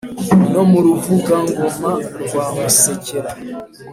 no mu ruvugangoma rwa musekera,